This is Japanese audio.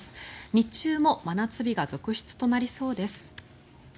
日中も真夏日が続出となりそうです。